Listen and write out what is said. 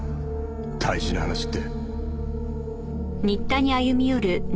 大事な話って。